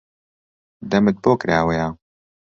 دەمت بۆ کراوەیە؟